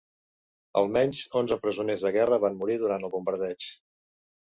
Almenys onze presoners de guerra van morir durant el bombardeig.